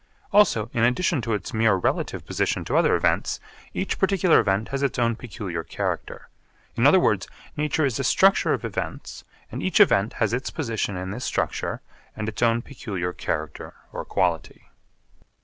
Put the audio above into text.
Also in addition to its mere relative position to other events, each particular event has its own peculiar character. In other words, nature is a structure of events and each event has its position in this structure and its own peculiar character or quality.